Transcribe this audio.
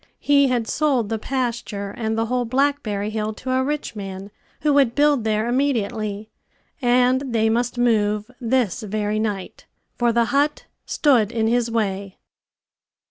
He had sold the pasture and the whole blackberry hill to a rich man who would build there immediately; and they must move this very night, for the hut stood in his way.